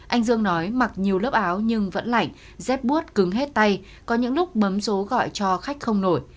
anh dương nói mặc nhiều lớp áo nhưng vẫn lạnh dép bút cứng hết tay có những lúc bấm rố gọi cho khách không nổi